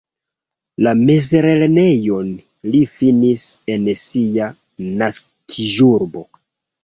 La mezlernejon li finis en sia naskiĝurbo.